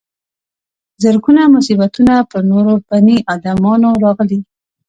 زرګونه مصیبتونه پر نورو بني ادمانو راغلي.